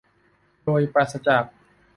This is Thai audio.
โดยปราศจาก